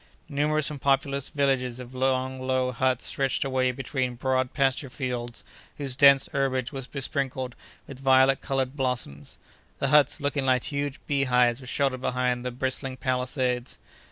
Numerous and populous villages of long low huts stretched away between broad pasture fields whose dense herbage was besprinkled with violet colored blossoms. The huts, looking like huge beehives, were sheltered behind bristling palisades.